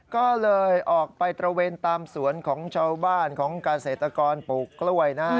ก็เลยออกไปตระเวนตามสวนของชาวบ้านของเกษตรกรปลูกกล้วยนะฮะ